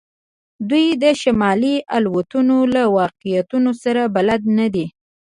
دوی د شمالي الوتنو له واقعیتونو سره بلد نه دي